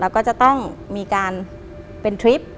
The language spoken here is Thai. แล้วก็จะต้องมีการเป็นทริป